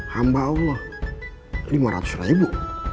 hamba allah lima ratus ribu